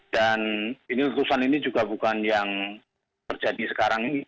dan ini letusan ini juga bukan yang terjadi sekarang ini